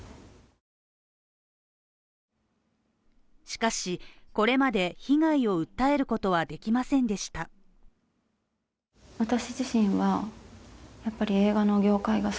しかし、これまで被害を訴えることはできませんでした。